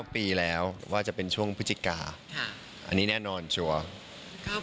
ปีแล้วว่าจะเป็นช่วงพฤศจิกาอันนี้แน่นอนชัวร์